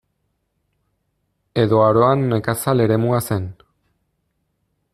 Edo Aroan nekazal eremua zen.